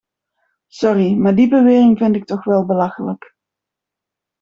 Sorry, maar die bewering vind ik toch wel belachelijk.